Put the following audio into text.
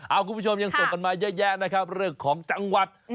คุณผู้ชมยังส่งกันมาเยอะแยะนะครับเรื่องของจังหวัด